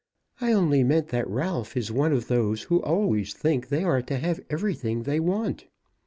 "I only meant that Ralph is one of those who always think they are to have everything they want."